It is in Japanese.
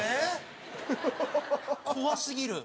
怖すぎる。